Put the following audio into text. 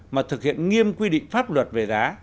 mà thực hiện nghiêm quy định pháp luật về giá